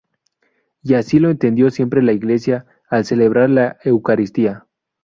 Y así lo entendió siempre la Iglesia: al celebrar la eucaristía.